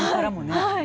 はい。